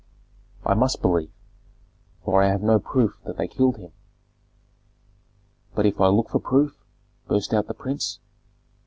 "I must believe, for I have no proof that they killed him." "But if I look for proof?" burst out the prince.